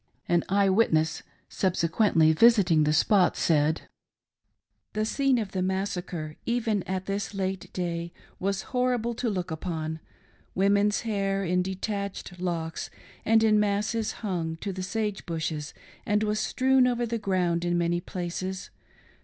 An eye witness^ subsequently visiting the spot said :— The scene of the massacre, even at this late day, was horrible to look upon. Women's hair in detached locks and in masses hung to the sage bushes and was strewn over the ground in many places.